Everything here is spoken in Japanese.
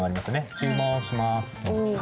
注文します。